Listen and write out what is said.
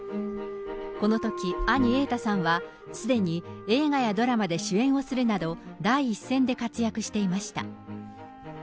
このとき兄、瑛太さんはすでに映画やドラマで主演をするなど、第一線で活躍していました。